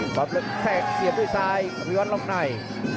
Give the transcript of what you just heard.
ซ้ายหน้าแขกเสียด้วยซ้ายอภิวัตรล่อมใน